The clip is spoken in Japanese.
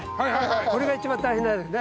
これが一番大変なんですね。